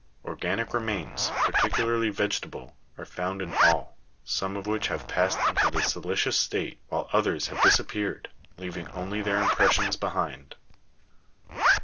Organic remains, particularly vege table, are found in all, some of which have passed into the sili'cious slate, while others have disappeared, leaving only their impressions behind.